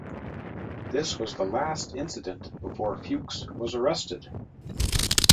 This was the last incident before Fuchs was arrested.